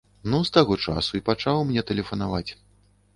Ну з таго часу і пачаў мне тэлефанаваць.